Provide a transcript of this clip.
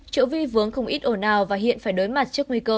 triệu vi vướng không ít ổn ào và hiện phải đối mặt trước nguy cơ